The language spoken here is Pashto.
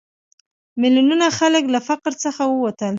میلیونونه خلک له فقر څخه ووتل.